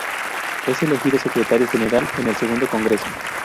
Es elegido secretario general en el segundo congreso.